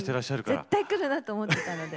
絶対くるなと思ってたので。